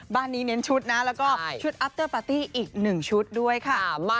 บ้านนี้เน้นชุดนะแล้วก็ชุดอัพเตอร์ปาร์ตี้อีก๑ชุดด้วยค่ะ